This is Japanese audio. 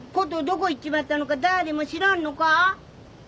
どこへ行っちまったのか誰も知らんのか？